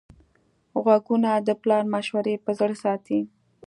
غوږونه د پلار مشورې په زړه ساتي